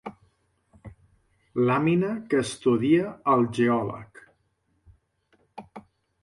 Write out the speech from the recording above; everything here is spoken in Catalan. Làmina que estudia el geòleg.